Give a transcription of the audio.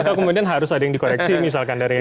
atau kemudian harus ada yang dikoreksi misalkan dari